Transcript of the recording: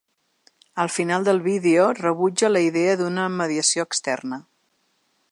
Al final del vídeo, rebutja la idea d’una mediació externa.